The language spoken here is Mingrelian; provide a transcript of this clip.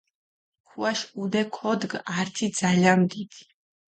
ქუაშ ჸუდე ქოდგჷ ართი ძალამ დიდი.